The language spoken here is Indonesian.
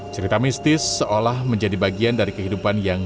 cerita mistis seolah menjadi bagian dari kehidupan yang